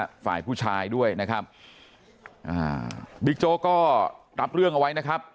ฝ่ายผู้ชายด้วยนะครับอ่าบิ๊กโจ๊กก็รับเรื่องเอาไว้นะครับ